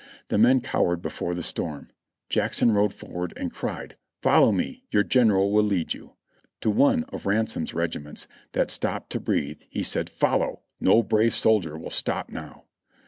The men cowered before the storm. Jackson rode forward and cried : "Follow me, your general will lead you." To one of Ransom's regiments, that stopped to breathe, he said : "Follow ! No brave soldier will stop now."